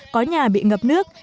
có nhà bị ngập nước